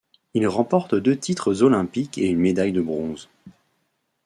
Il remporte deux titres olympiques et une médaille de bronze.